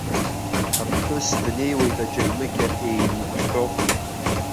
Аԥҳәыс днеиуеит аџьармыкьа еимгәҳәо.